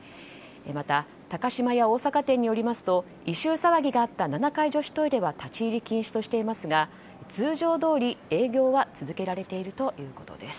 また、高島屋大阪店によりますと異臭騒ぎがあった７階女子トイレは立ち入り禁止としていますが通常どおり、営業は続けられているということです。